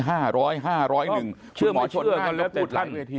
๕๐๐หนึ่ง